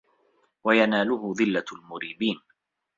وَيَنَالُهُ ذِلَّةُ الْمُرِيبِينَ